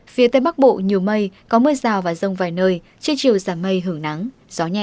phía tây bắc bộ nhiều mây có mưa rào và rông vài nơi chưa chiều giảm mây hưởng nắng gió nhẹ